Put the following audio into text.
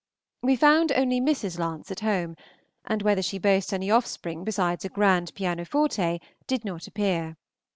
We found only Mrs. Lance at home, and whether she boasts any offspring besides a grand pianoforte did not appear.